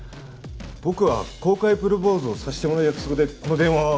僕は公開プロポーズをさせてもらう約束でこの電話を。